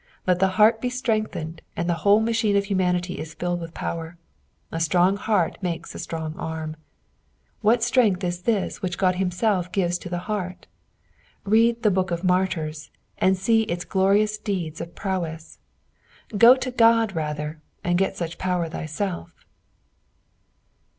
Let the heart be strengthened, and the whole machine of humanity is filled with power ; a strong heart makes a strong arm. What strength is thia which Ood himself nves to tnu heart ? Read the " Book of Martyrs, " and see its glorious deeds ot prowess \ go to Qod rather, and get such power thyself.